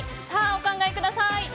さあお考えください。